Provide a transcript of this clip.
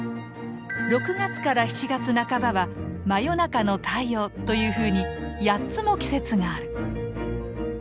６月から７月半ばは「真夜中の太陽」というふうに８つも季節がある！